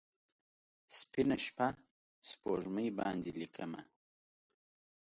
سپینه شپه، سپوږمۍ باندې لیکمه